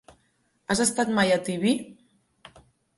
Has estat mai a Tibi?